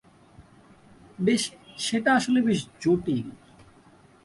বেশ সেটা আসলে বেশ জটিল।